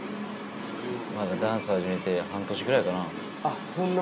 まだダンス始めて半年くらいかな。